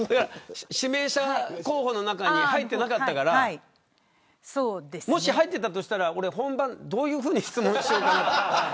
指名者候補の中に入ってなかったですけどもし入っていたとしたら本番どういうふうに質問しようかなと。